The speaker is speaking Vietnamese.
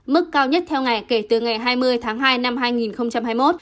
mức cao nhất theo ngày kể từ ngày hai mươi tháng hai năm hai nghìn hai mươi một